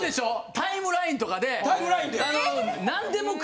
タイムラインで！